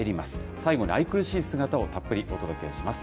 最後のあいくるしい姿をたっぷりお届けします。